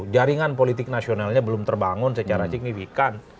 jaringan politik nasionalnya belum terbangun secara signifikan